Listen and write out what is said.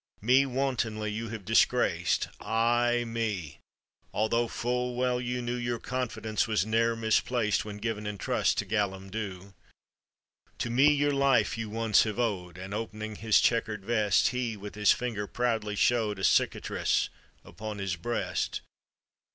" Me wantonly you have disgrac'd, Ay me, altho' full well you knew Your confidence was ne'er misplaced When giv'n in trust to Callum Dhu. " To me your life you once have owed ;" And opening his chequer'd vest, He with his finger proudly showed A cicatrice upon his breast.